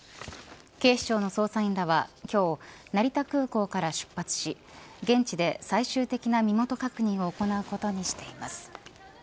警視庁の捜査員らは、今日成田空港から出発し現地で最終的な身元確認を行うことにしています。